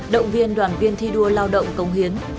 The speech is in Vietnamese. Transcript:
động viên đoàn viên thi đua lao động công hiến